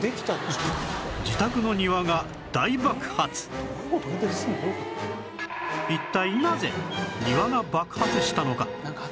自宅の一体なぜ庭が爆発したのか？